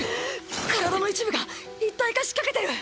体の一部が一体化しかけてる！